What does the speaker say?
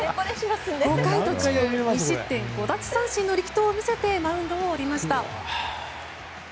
５回途中２失点５奪三振の力投を見せてマウンドを降りました。